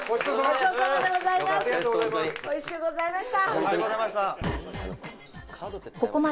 ごちそうさまでございます。